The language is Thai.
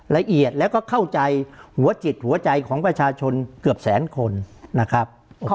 ละเอียดแล้วก็เข้าใจหัวจิตหัวใจของประชาชนเกือบแสนคนนะครับ